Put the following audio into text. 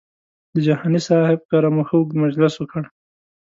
د جهاني صاحب کره مو ښه اوږد مجلس وکړ.